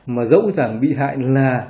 mà dẫu rằng bị hại là